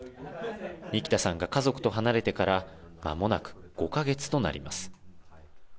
ニキタさんが家族と離れてから間もなく５か月となります。